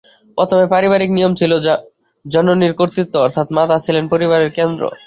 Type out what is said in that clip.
প্রথমে পারিবারিক নিয়ম ছিল জননীর কর্ত্রীত্ব অর্থাৎ মাতা ছিলেন পরিবারের কেন্দ্র।